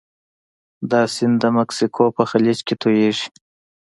دا سیند د مکسیکو په خلیج کې تویږي.